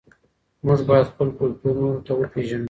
موږ باید خپل کلتور نورو ته وپېژنو.